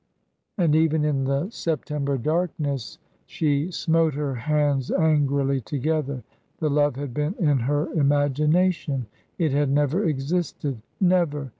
and even in the September darkness she smote her hands angrily together. The love had been in her imagination; it had never existed never.